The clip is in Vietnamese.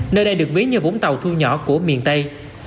nơi đây được ví như vũng tàu thu nhỏ của miền tây